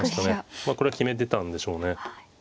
まあこれは決めてたんでしょうね。